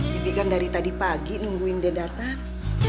bibi kan dari tadi pagi nungguin dia datang